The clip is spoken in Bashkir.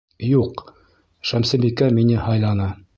Юҡ, Шәмсебикә мине һайланы.